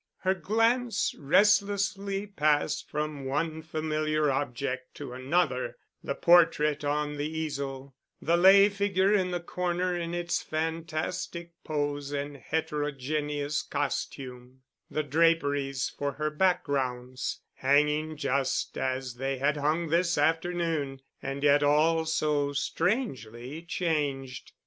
Her glance restlessly passed from one familiar object to another, the portrait on the easel, the lay figure in the corner in its fantastic pose and heterogeneous costume, the draperies for her backgrounds, hanging just as they had hung this afternoon, and yet all so strangely changed.